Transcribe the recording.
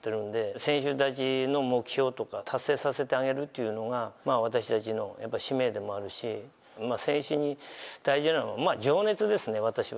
選手たちの目標とか、達成させてあげるっていうのが、私たちの使命でもあるし、選手に大事なのは、まあ、情熱ですね、私は。